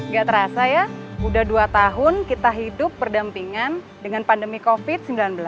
gak terasa ya sudah dua tahun kita hidup berdampingan dengan pandemi covid sembilan belas